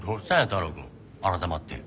太郎くん改まって。